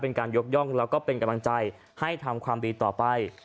เป็นการยกย่องแล้วก็เป็นกำลังใจให้ทำความดีต่อไป